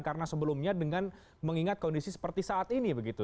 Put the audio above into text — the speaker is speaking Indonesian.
karena sebelumnya dengan mengingat kondisi seperti saat ini begitu